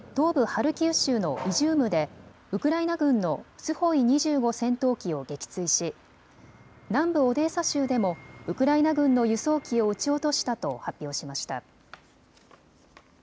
ハルキウ州のイジュームでウクライナ軍のスホイ２５戦闘機を撃墜し南部オデーサ州でもウクライナ軍の輸送機を撃ち落としたと発表しました。